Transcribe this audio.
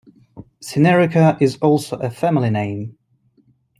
Senarica is also a family name.